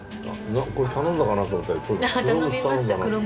これ頼んだかなと思ったけど。